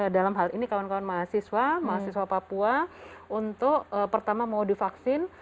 dalam hal ini kawan kawan mahasiswa mahasiswa papua untuk pertama mau divaksin